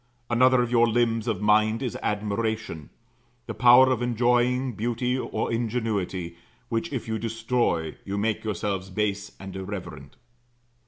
Another of your limbs of mind is admiration; the power of enjoying beauty or ingenuity, which, if you destroy, you make yourselves base and irreverent.